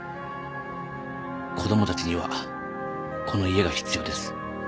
子供たちにはこの家が必要です。